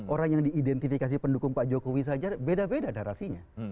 orang yang diidentifikasi pendukung pak jokowi saja beda beda narasinya